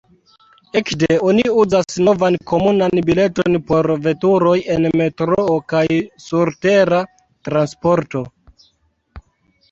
Ekde oni uzas novan komunan bileton por veturoj en metroo kaj surtera transporto.